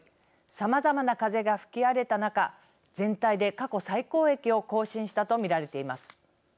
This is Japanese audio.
さまざまな風が吹き荒れた中全体で、過去最高益を更新したと見られています。